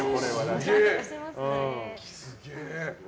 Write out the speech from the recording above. すげえ。